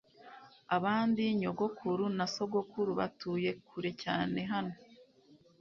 abandi nyogokuru na sogokuru batuye kure cyane hano